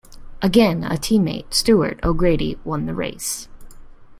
Again a team mate, Stuart O'Grady, won the race.